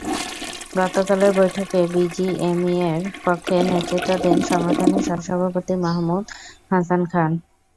গতকালের বৈঠকে বিজিএমইএর পক্ষে নেতৃত্ব দেন সংগঠনের সহসভাপতি মাহমুদ হাসান খান।